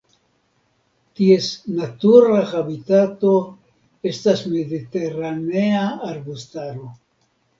Ties natura habitato estas mediteranea arbustaro.